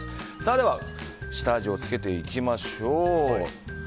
では、下味を付けていきましょう。